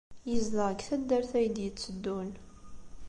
Yezdeɣ deg taddart ay d-yetteddun.